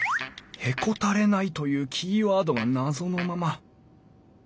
「へこたれない」というキーワードが謎のまま。